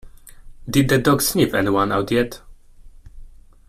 Did the dog sniff anyone out yet?